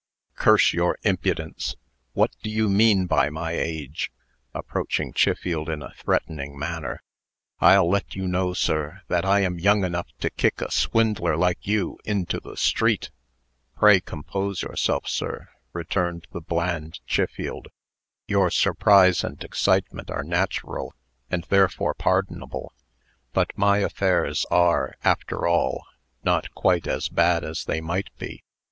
"Curse your impudence! what do you mean by my age?" (approaching Chiffield in a threatening manner). "I'll let you know, sir, that I am young enough to kick a swindler like you into the street." "Pray compose yourself, sir," returned the bland Chiffield. "Your surprise and excitement are natural, and therefore pardonable. But my affairs are, after all, not quite as bad as they might be.